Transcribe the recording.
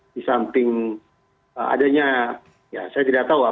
di samping adanya ya saya tidak tahu apakah kemungkinan ada juga kalkulasi ekonomi